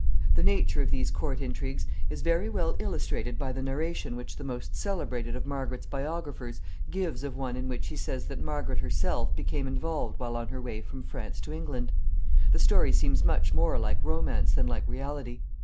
The nature of these court intrigues is very well illustrated by the narration which the most celebrated of Margaret's biographers gives of one in which he says that Margaret herself became involved while on her way from France to England. The story seems much more like romance than like reality.